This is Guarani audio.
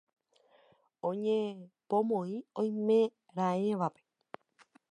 Oñepomoĩ oimeraẽvape.